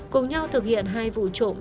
cùng nhau thực hiện hai vụ trộm